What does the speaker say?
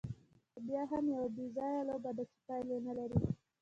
خو بیا هم یوه بېځایه لوبه ده، چې پایله نه لري.